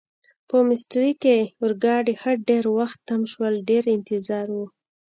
په میسترې کې اورګاډي ښه ډېر وخت تم شول، ډېر انتظار و.